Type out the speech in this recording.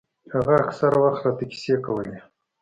هغه اکثره وخت راته کيسې کولې.